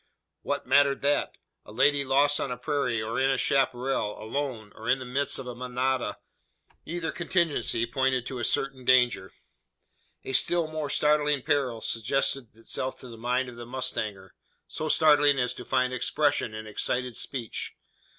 "What mattered that? A lady lost on a prairie, or in a chapparal alone, or in the midst of a manada either contingency pointed to certain danger." A still more startling peril suggested itself to the mind of the mustanger so startling as to find expression in excited speech.